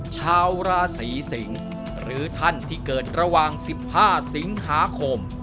ชาวราศีสิงศ์หรือท่านที่เกิดระหว่าง๑๕สิงหาคม